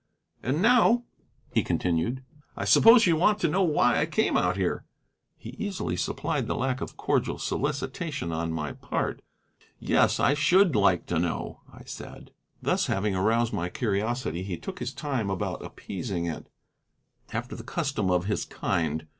"And now," he continued, "I suppose you want to know why I came out here." He easily supplied the lack of cordial solicitation on my part. "Yes, I should like to know," I said. Thus having aroused my curiosity, he took his time about appeasing it, after the custom of his kind.